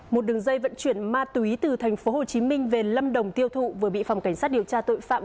một đường dây vận chuyển ma túy từ tp hcm về lâm đồng tiêu thụ vừa bị phòng cảnh sát điều tra tội phạm